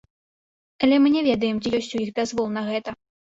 Але мы не ведаем, ці ёсць у іх дазвол на гэта.